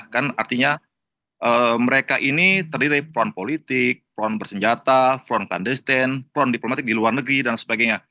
kan artinya mereka ini terdiri dari peron politik peron bersenjata peron kandesten peron diplomatik di luar negeri dan sebagainya